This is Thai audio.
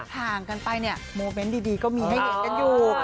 ห่างกันไปเนี่ยโมเมนต์ดีก็มีให้เห็นกันอยู่